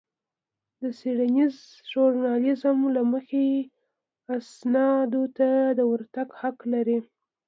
د څېړنيز ژورنالېزم له مخې اسنادو ته د ورتګ حق لرئ.